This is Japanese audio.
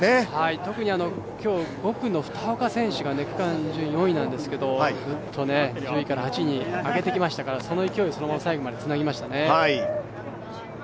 特に今日、５区の二岡選手が区間順位４位なんですけどぐっと１０位から８位に上げてきましたから、その勢いを最後までつなぎましたね。